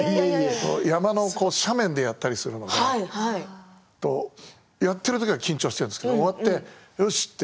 山の斜面でやったりするのがやっているときは緊張してるんですが終わってよし！